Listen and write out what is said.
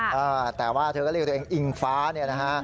เออแต่ว่าเธอก็เรียกตัวเองอิงฟ้าเนี่ยนะฮะ